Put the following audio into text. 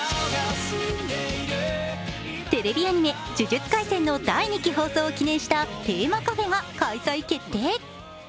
テレビアニメ「呪術廻戦」の第２期放送を記念したテーマカフェが開催決定。